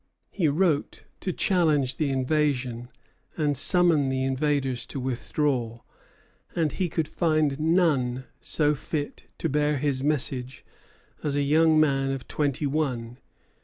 He wrote to challenge the invasion and summon the invaders to withdraw; and he could find none so fit to bear his message as a young man of twenty one.